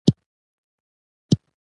زده کړه نجونو ته د وینې فشار کتل ور زده کوي.